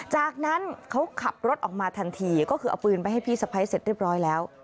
จากนั้นเขาขับรถออกมาทันทีก็คือเอาปืนไปให้พี่สะพ้ายเสร็จเรียบร้อยแล้ว